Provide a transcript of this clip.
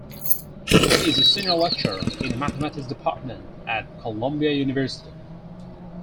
He is a Senior Lecturer in the Mathematics department at Columbia University.